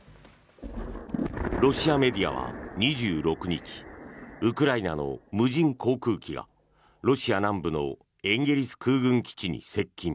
ロシアメディアは２６日ウクライナの無人航空機がロシア南部のエンゲリス空軍基地に接近。